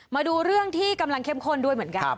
มาดูเรื่องที่กำลังเข้มข้นด้วยเหมือนกัน